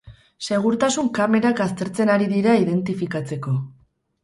Segurtasun kamerak aztertzen ari dira identifikatzeko.